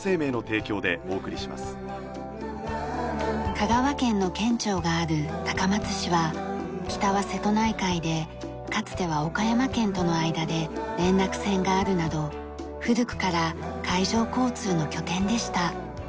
香川県の県庁がある高松市は北は瀬戸内海でかつては岡山県との間で連絡船があるなど古くから海上交通の拠点でした。